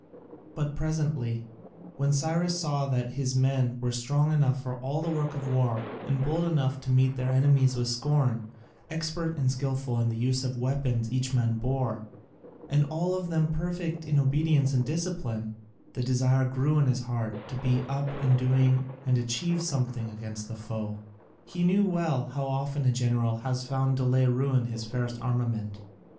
But presently, when Cyrus saw that his men were strong enough for all the work of war, and bold enough to meet their enemies with scorn, expert and skilful in the use of the weapons each man bore, and all of them perfect in obedience and discipline, the desire grew in his heart to be up and doing and achieve something against the foe. He knew well how often a general has found delay ruin his fairest armament.